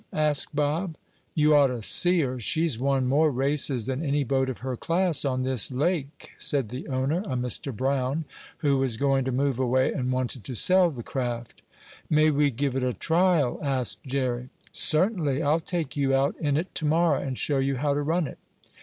asked Bob. "You ought to see her! She's won more races than any boat of her class on this lake," said the owner, a Mr. Brown, who was going to move away and wanted to sell the craft. "May we give it a trial?" asked Jerry. "Certainly. I'll take you out in it to morrow and show you how to run it."